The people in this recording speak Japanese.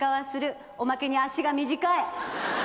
おまけに脚が短い。